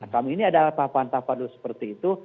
kami ini ada tahapan tahapan seperti itu